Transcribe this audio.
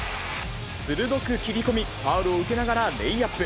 鋭く斬り込み、ファウルを受けながらレイアップ。